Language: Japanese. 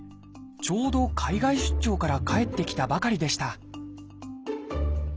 ちょうど海外出張から帰ってきたばかりでした